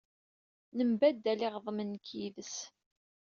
Nembaddal iɣeḍmen nekk yid-s.